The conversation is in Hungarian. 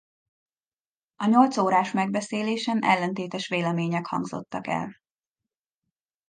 A nyolc órás megbeszélésen ellentétes vélemények hangzottak el.